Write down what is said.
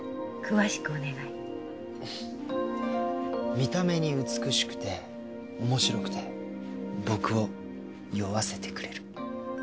見た目に美しくておもしろくて僕を酔わせてくれる。